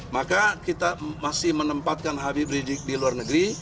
maka kita masih menempatkan habib rizik di luar negeri